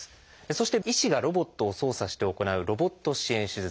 そして医師がロボットを操作して行う「ロボット支援手術」。